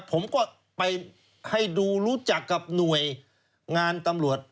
ผมก็ไปให้ดูรู้จักกับหน่วยงานตำรวจ